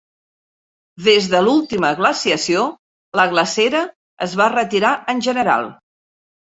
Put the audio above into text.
Des de l'última glaciació, la glacera es va retirar en general.